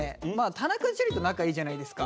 田中樹と仲いいじゃないですか。